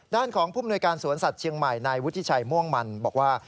ด้านของผู้มนวยการสวนสัตว์เชียงใหม่นายวุฒิชัยม่วงมันบอกว่า